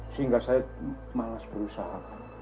sehingga saya malas berusaha